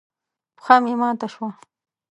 پښه مې ماته شوه.